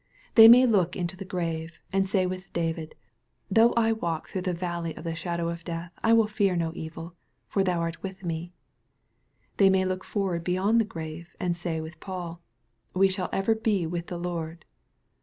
They may look into the grave, and say with David, "though I walk through the valley of the shadow of death I will fear no evil, for thou art with me/' They may look forward beyond the grave, and say with Paul, " we shall ever be with the Lord."